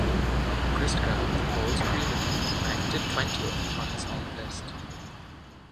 Christgau, the poll's creator, ranked it twentieth on his own list.